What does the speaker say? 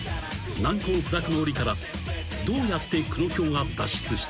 難攻不落のおりからどうやってクロヒョウが脱出した？］